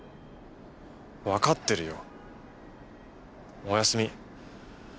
わかってるよおやすみ。